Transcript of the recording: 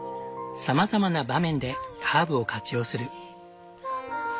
さまざまな場面でハーブを活用する。